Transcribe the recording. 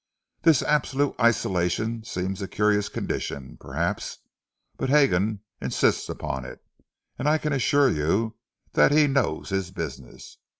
This absolute isolation seems a curious condition, perhaps, but Hagon insists upon it, and I can assure you that he knows his business.